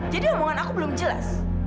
jadi omongan aku belum jelas